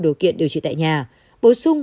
điều kiện điều trị tại nhà bổ sung